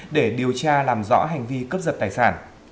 để điều tra làm rõ hành vi cấp dật tài sản